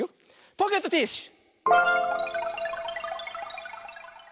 ポケットティッシュ！